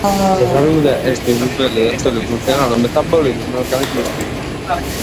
Sa salude est su livellu de atùliu funzionale o metabolicu de un'organismu bivu.